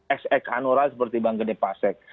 ex ex hanura seperti bang gede pasek